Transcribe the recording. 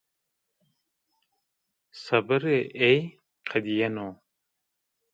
Sebirê ey qedîyeno